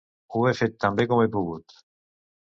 Ho he fet tan bé com he pogut.